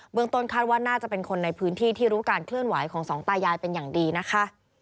เมืองต้นคาดว่าน่าจะเป็นคนในพื้นที่ที่รู้การเคลื่อนไหวของสองตายายเป็นอย่างดีนะคะ